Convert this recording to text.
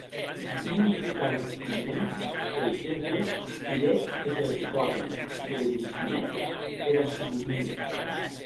Un important esturment, per exemple, siguec eth telescòpi, que revolucionèc era astronomia.